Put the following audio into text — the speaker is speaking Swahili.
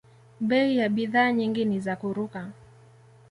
Bei ya bidhaa nyingi ni za kuruka